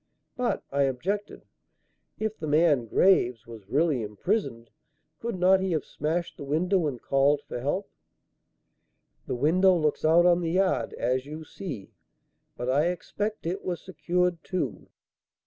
"But," I objected, "if the man, Graves, was really imprisoned, could not he have smashed the window and called for help?" "The window looks out on the yard, as you see; but I expect it was secured too."